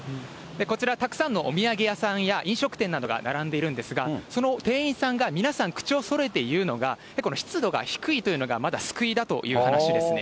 こちら、たくさんのお土産物屋さんや飲食店が並んでいるんですが、その店員さんが、皆さん口をそろえて言うのが、湿度が低いのがまだ救いだという話ですね。